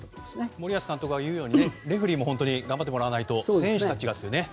森保監督が言うようにレフェリーが頑張ってもらわないと選手たちがね。